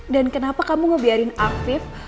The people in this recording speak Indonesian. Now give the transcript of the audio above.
dan kenapa kamu ngebiarin afif